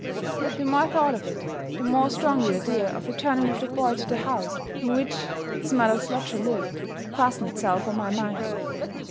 The more I thought of it, the more strongly the idea of returning with the boy to the house in which his mother's lodger lived fastened itself on my mind.